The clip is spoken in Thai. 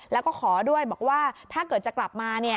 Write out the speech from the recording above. แล้วก็ขอด้วยบอกว่าถ้าเกิดจะกลับมา